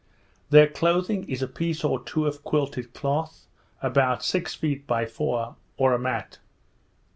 Their clothing is a piece or two of quilted cloth, about six feet by four, or a mat.